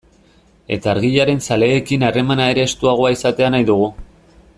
Eta Argiaren zaleekin harremana ere estuagoa izatea nahi dugu.